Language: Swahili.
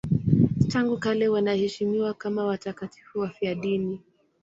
Tangu kale wanaheshimiwa kama watakatifu wafiadini.